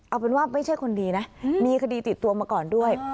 เอาเป็นว่าไม่ใช่คนดีนะมีคดีติดตัวมาก่อนด้วย